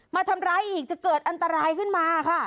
มาทำร้ายอีกจะเกิดอันตรายขึ้นมาค่ะ